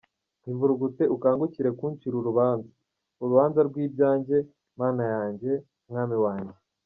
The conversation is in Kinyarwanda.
Ivurugute ukangukire kuncira urubanza, Urubanza rw’ibyanjye Mana yanjye, Mwami wanjye.